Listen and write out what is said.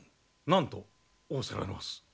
何と仰せられます？